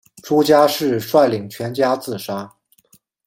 朱家仕率领全家自杀。